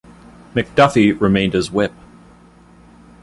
McDuffie remained as Whip.